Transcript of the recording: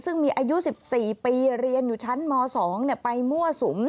ซึ่งมีอายุ๑๔ปีเรียนอยู่ชั้นม๒ไปมั่วสุม